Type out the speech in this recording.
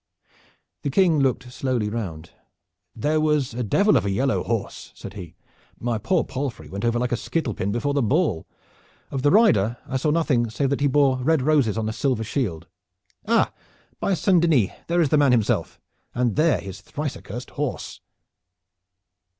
The King looked slowly round. "There was a devil of a yellow horse," said he. "My poor palfrey went over like a skittle pin before a ball. Of the rider I know nothing save that he bore red roses on a silver shield. Ah! by Saint Denis, there is the man himself, and there his thrice accursed horse!"